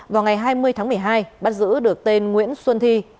vào ngày hai mươi tháng một mươi hai bắt giữ được tên nguyễn xuân thi